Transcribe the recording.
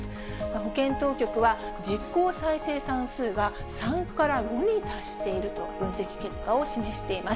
保健当局は、実効再生産数が３から５に達していると分析結果を示しています。